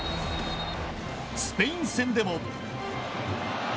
スペイン戦でも。